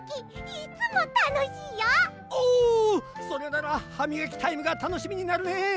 それならはみがきタイムがたのしみになるね！